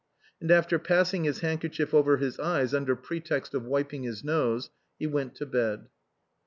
And after passing his handkerchief over his eyes under pretext of wiping his nose, he went to bed.